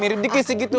mirip dikisik gitu